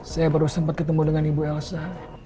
saya baru sempat ketemu dengan ibu elsa